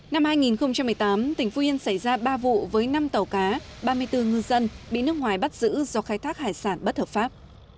năm hai nghìn một mươi tám tỉnh phú yên xảy ra ba vụ với năm tàu cá ba mươi bốn ngư dân bị nước ngoài bắt giữ do khai thác hải sản bất hợp pháp